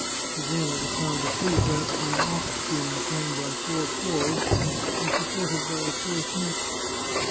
The jailer was sound asleep, wrapped in an ox skin slung by four cords, and supported by a coarse net.